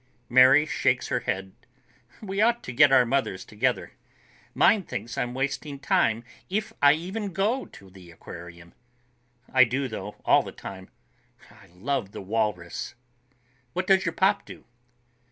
Mary shakes her head. "We ought to get our mothers together. Mine thinks I'm wasting time if I even go to the aquarium. I do, though, all the time. I love the walrus." "What does your pop do?"